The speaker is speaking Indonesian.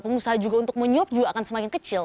pengusaha juga untuk menyuap juga akan semakin kecil